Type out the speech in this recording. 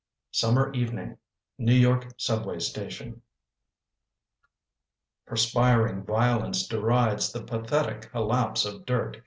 SUMMER EVENING: NEW YORK SUBWAY STATION PERSPIRING violence derides The pathetic collapse of dirt.